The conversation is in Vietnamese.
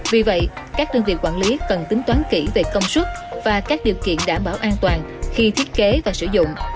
vì vậy các đơn vị quản lý cần tính toán kỹ về công suất và các điều kiện đảm bảo an toàn khi thiết kế và sử dụng